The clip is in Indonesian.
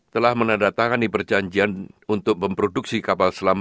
telah menandatangani perjanjian untuk memproduksi kapal selam